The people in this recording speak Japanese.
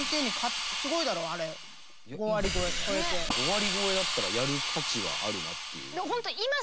５割超えだったらやる価値はあるなっていう。